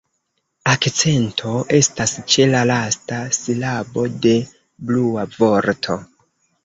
Akcento estas ĉe la lasta silabo de "Blua" vorto.